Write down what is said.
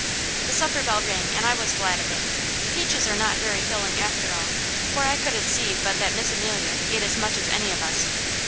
The supper bell rang and I was glad of it. Peaches are not very filling after all, for I couldn't see but that Miss Amelia ate as much as any of us.